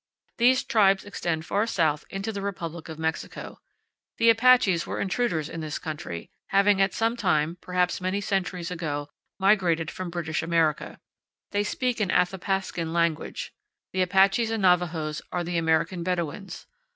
These tribes extend far south into the republic of Mexico. The Apaches are intruders in this country, having at some time, perhaps many centuries ago, migrated from British America. They speak an Athapascan language. The Apaches and Navajos are the American Bedouins.